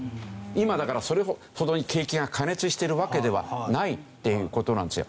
今だからそれほどに景気が過熱してるわけではないっていう事なんですよ。